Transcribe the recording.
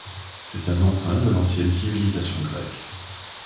C'est un emprunt de l'ancienne civilisation grecque.